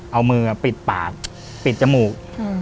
เอามือปิดปากปิดจมูก